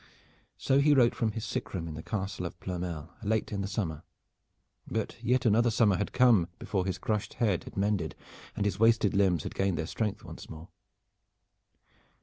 So he wrote from his sick room in the Castle of Ploermel late in the summer, but yet another summer had come before his crushed head had mended and his wasted limbs had gained their strength once more.